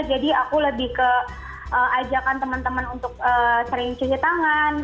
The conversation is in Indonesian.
jadi aku lebih ke ajakan teman teman untuk sering cuci tangan